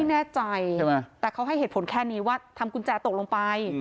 แน่ใจใช่ไหมแต่เขาให้เหตุผลแค่นี้ว่าทำกุญแจตกลงไป